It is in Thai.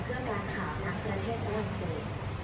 เพื่อการข่าวนักประเทศฝรั่งเศส